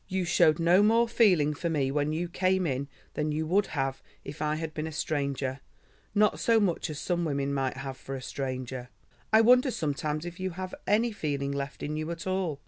You showed no more feeling for me when you came in than you would have if I had been a stranger—not so much as some women might have for a stranger. I wonder sometimes if you have any feeling left in you at all.